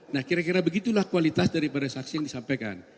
nah kira kira begitulah kualitas daripada saksi yang disampaikan